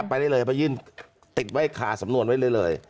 ไปได้เลยครับไปยื่นติดไว้ค่ะสำนวนไว้เลยเลย